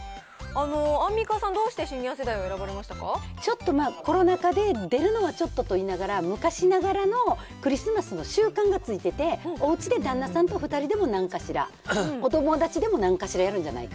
アンミカさん、どうしてちょっと、コロナ禍で出るのはちょっとといいながら、昔ながらのクリスマスの習慣がついてて、おうちで旦那さんと２人でもなんかしら、お友達でもなんかしらやるんじゃないか。